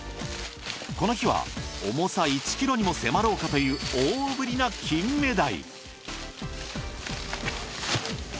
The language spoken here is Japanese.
この日は重さ１ｋｇにも迫ろうかという大ぶりな金目鯛。